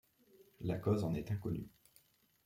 La cause en est inconnue.